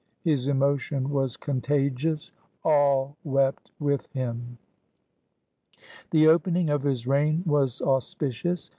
His emotion was conta gious. All wept with him. The opening of his reign was auspicious.